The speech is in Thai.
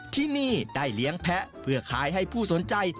ที่นี่ได้เลี้ยงแพ้เพื่อขายให้ผู้สนใจ